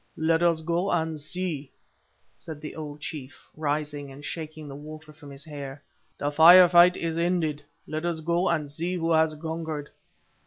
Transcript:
"Let us go and see," said the old chief, rising and shaking the water from his hair. "The fire fight is ended, let us go and see who has conquered."